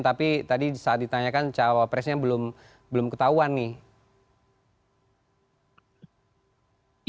tapi tadi saat ditanyakan cawapresnya belum ketahuan nih